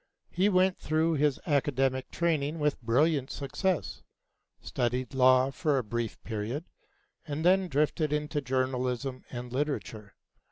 He went through his academic training with brilliant success, studied law for a brief period, and then drifted into journalism and literature.